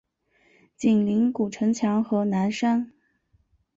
紧邻古城墙和南山。